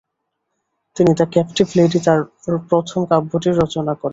তিনি the Captive Lady তার প্রথম কাব্যটির রচনা করেন।